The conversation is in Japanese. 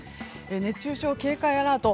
熱中症警戒アラート